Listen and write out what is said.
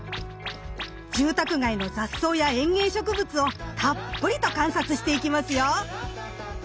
住宅街の雑草や園芸植物をたっぷりと観察していきますよ。